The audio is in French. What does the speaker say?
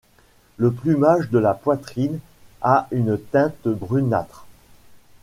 Le plumage de la poitrine a une teinte brunâtre.